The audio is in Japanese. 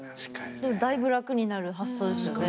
だいぶ楽になる発想ですよね。